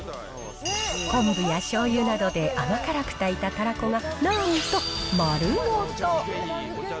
昆布やしょうゆなどで甘辛く炊いたたらこが、なんと丸ごと。